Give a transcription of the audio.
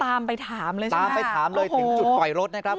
ตามไปถามเลยนะตามไปถามเลยถึงจุดปล่อยรถนะครับ